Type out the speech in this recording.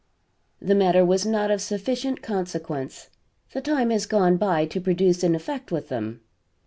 "The matter was not of sufficient consequence. The time was gone by to produce an effect with them."